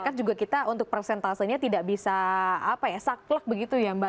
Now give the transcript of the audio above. karena juga kita untuk persentasenya tidak bisa saklek begitu ya mbak